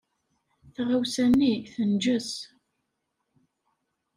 Taɣawsa-nni tenǧes.